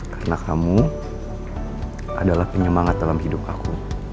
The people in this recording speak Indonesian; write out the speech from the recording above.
karena kamu adalah penyemangat dalam hidup aku